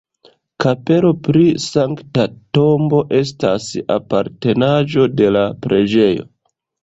Kapelo pri Sankta Tombo estas apartenaĵo de la preĝejo.